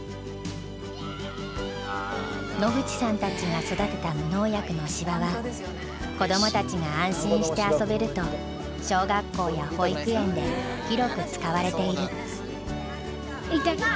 野口さんたちが育てた無農薬の芝は子どもたちが安心して遊べると小学校や保育園で広く使われている。